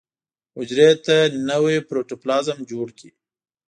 حجرې ته نوی پروتوپلازم جوړ کړي.